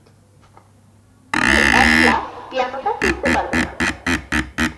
তুমি একলা পিয়ানোটা তুলতে পারবে না।